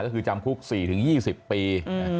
ก็คือจำคุก๔๒๐ปี